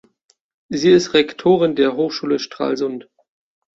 Sie ist Rektorin der Hochschule Stralsund.